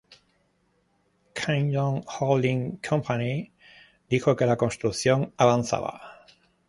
Kingdom Holding Company dijo que la construcción avanzaba.